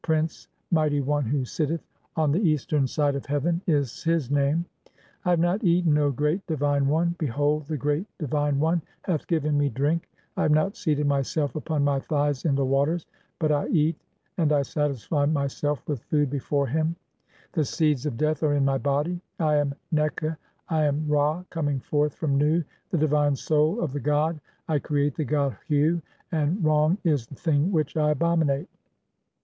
'Prince, mighty one who sitteth on the eastern 'side of heaven' [is his name]. I have not eaten, O great divine 'one. (12) Behold, the great divine one "hath given me drink ; 'I have not seated myself upon [my] thighs [in] the waters, but 'I eat and I satisfy myself with food before him. (i3) The seeds 'of death are in my body. I am Nekh, I am Ra, coming forth 'from Nu, the divine soul of the god. I create the god (14) Hu ; 'and wrong is the thing which I abominate.